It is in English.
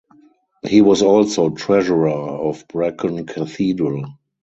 He was also treasurer of Brecon Cathedral.